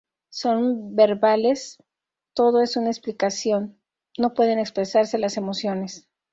Son verbales, todo es una explicación, no pueden expresarse las emociones.